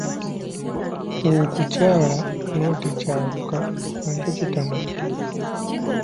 Okukyala n'otakyaluka nakyo kitama.